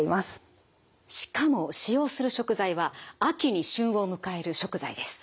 しかも使用する食材は秋に旬を迎える食材です。